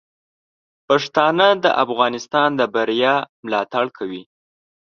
پښتانه د افغانستان د بریا ملاتړ کوي.